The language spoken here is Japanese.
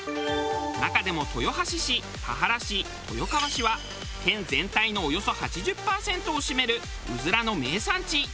中でも豊橋市田原市豊川市は県全体のおよそ８０パーセントを占めるうずらの名産地。